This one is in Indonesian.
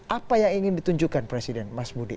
apa yang ingin ditunjukkan presiden mas budi